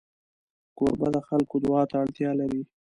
کوربه د خلکو دعا ته اړتیا لري.